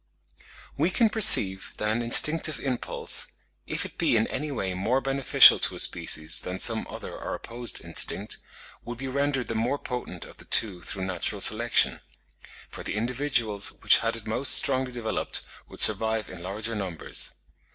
We can perceive that an instinctive impulse, if it be in any way more beneficial to a species than some other or opposed instinct, would be rendered the more potent of the two through natural selection; for the individuals which had it most strongly developed would survive in larger numbers.